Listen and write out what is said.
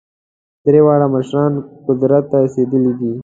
درې واړه مشران قدرت ته رسېدلي دي.